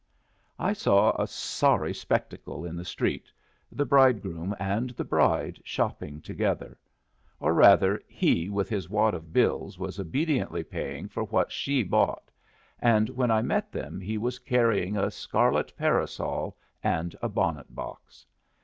I saw a sorry spectacle in the street the bridegroom and the bride shopping together; or, rather, he with his wad of bills was obediently paying for what she bought; and when I met them he was carrying a scarlet parasol and a bonnet box.